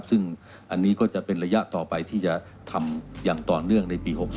ซึ่งอันนี้ก็จะเป็นระยะต่อไปที่จะทำอย่างต่อเนื่องในปี๖๓